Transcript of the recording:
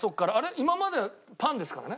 今まではパンですからね。